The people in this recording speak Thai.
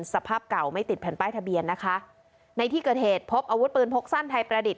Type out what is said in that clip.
สภาพเก่าไม่ติดแผ่นป้ายทะเบียนนะคะในที่เกิดเหตุพบอาวุธปืนพกสั้นไทยประดิษฐ